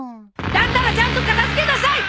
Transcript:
だったらちゃんと片付けなさい！